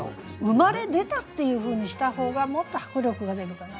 生まれ出たっていうふうにした方がもっと迫力が出るかな。